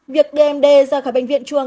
việc dmd ra khỏi bệnh viện trường